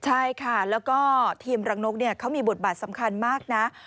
ใช่ค่ะแล้วก็ทีมรังนกเขามีบทบาทสำคัญมากนะ